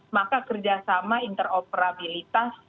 maka kerjasama interoperabilitas